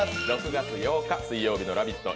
６月８日水曜日の「ラヴィット！」